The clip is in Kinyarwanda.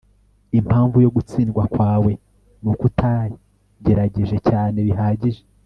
impamvu yo gutsindwa kwawe nuko utagerageje cyane bihagije